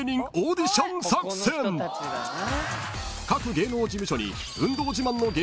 ［各芸能事務所に］